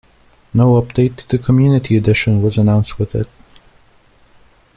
No update to the community edition was announced with it.